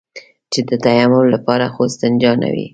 چې د تيمم لپاره خو استنجا نه وي.